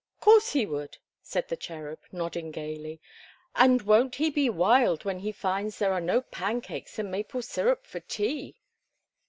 "'Course he would," said the Cherub, nodding gayly; "and won't he be wild when he finds there are no pancakes and maple syrup for tea?"